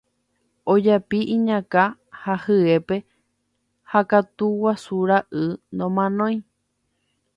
Ojapi iñakã ha hyépe ha katu guasu ra'y nomanói.